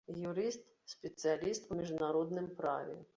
Юрыст, спецыяліст у міжнародным праве.